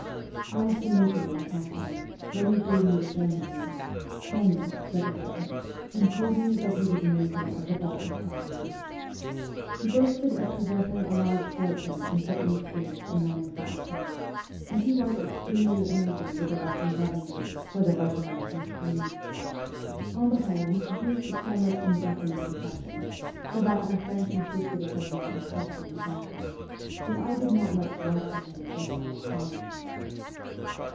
I went to meet him in a cafe, where he gave me a German name Tohnlehm, let us say and told me that he was a native of the Baltic provinces. He boasted of possessing a large fortune in certain estates and manufactures, and he was extremely angry with the Russian Government, for their Russianizing schemes. On the whole he produced a somewhat u 2 292 MEMOIRS OF A REVOLUTIONIST indefinite impression, so that my friends insisted upon my accepting his offer ; but I did not much like the man from first sight.